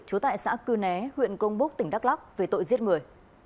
trú tại xã cư né huyện công búc tỉnh đắk lắc về tội giết người